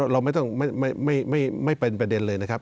เราไม่ต้องไม่เป็นประเด็นเลยนะครับ